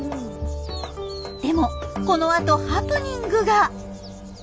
でもこのあとハプニングが！